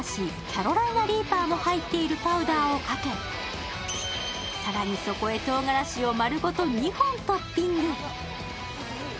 キャロライナ・リーパーも入っているパウダーをかけ、更に、そこへとうがらしをまるごと２本トッピング。